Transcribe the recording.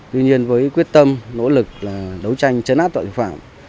tuy nhiên với quyết tâm nỗ lực đấu tranh chấn áp tội phạm